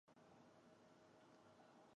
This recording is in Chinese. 赵元杰无子。